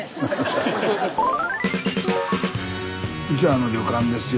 あの旅館ですよ。